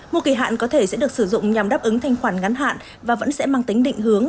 mua kỳ hạn có thể sẽ được sử dụng nhằm đáp ứng thanh khoản ngắn hạn và vẫn sẽ mang tính định hướng